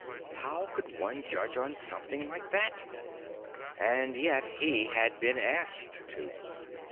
How could one judge on something like that? And yet he had been asked to.